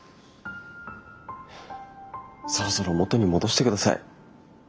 そろそろ元に戻してください。